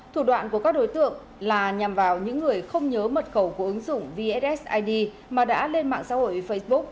thủ đoạn của các đối tượng là nhằm vào những người không nhớ mật khẩu của ứng dụng vssid mà đã lên mạng xã hội facebook